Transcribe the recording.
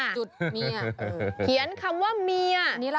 เขียนคำว่าเมียนี่ล่ะ